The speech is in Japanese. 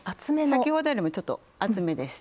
先ほどよりもちょっと厚めです。